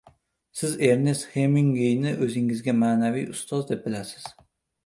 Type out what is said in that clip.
– Siz Ernest Hemingueyni o‘zingizga ma’naviy ustoz deb bilasiz.